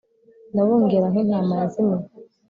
ndabungera nk'intama yazimiye